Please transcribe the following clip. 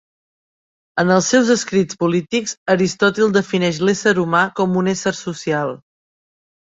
En els seus escrits polítics, Aristòtil defineix l'ésser humà com un ésser social.